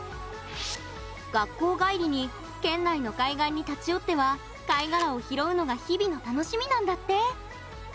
学校帰りに県内の海岸に立ち寄っては貝殻を拾うのが日々の楽しみなんだって！